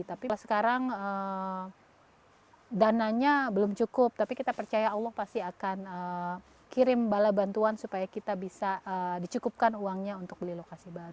tapi sekarang dananya belum cukup tapi kita percaya allah pasti akan kirim bala bantuan supaya kita bisa dicukupkan uangnya untuk beli lokasi baru